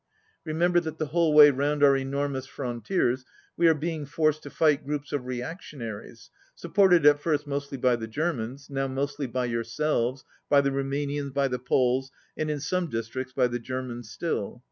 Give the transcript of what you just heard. Remem ber that the whole way round our enormous fron tiers we are being forced to fight groups of reac tionaries supported at first mostly by the Germans, now mostly by yourselves, by the Roumanians, by the Poles, and in some districts by the Germans still.